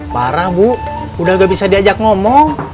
parah bu udah gak bisa diajak ngomong